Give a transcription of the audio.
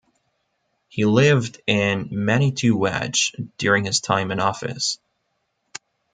He lived in Manitouwadge during his time in office.